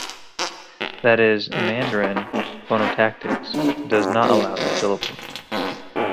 That is, Mandarin phonotactics does not allow the syllable.